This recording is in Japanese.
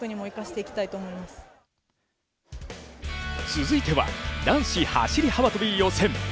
続いては男子走幅跳予選。